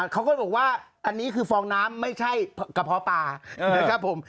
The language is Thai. เขาก็บอกว่าอันนี้คือฟองน้ำไม่ใช่กระเพาะปลานะครับผม